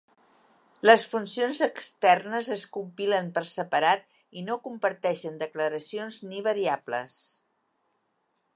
Les funcions externes es compilen per separat i no comparteixen declaracions ni variables.